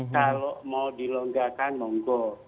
kalau mau dilonggarkan monggo